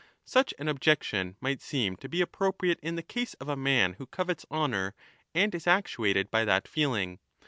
Such an objection might seem to be appropriate in the case of a man who covets honour and is actuated by that feeling.